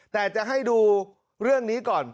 แต่จะให้ดูเรื่องนี้ก่อน